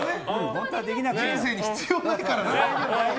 人生に必要ないから。